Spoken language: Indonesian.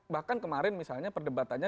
bahkan kemarin misalnya perdebatannya